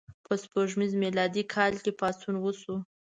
په سپوږمیز میلادي کال کې پاڅون وشو.